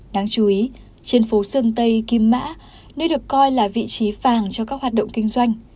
đáng chú ý trên phố sơn tây kim mã nơi được coi là vị trí vàng cho các hoạt động kinh doanh